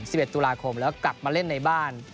สิบเอ็ดตุลาคมแล้วกลับมาเล่นในบ้าน